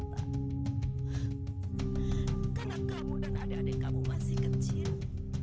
karena kamu dan adik adik kamu masih kecil